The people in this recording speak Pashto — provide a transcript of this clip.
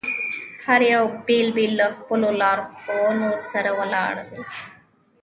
هر یو بېل بېل له خپلو لارښوونکو سره ولاړ دي.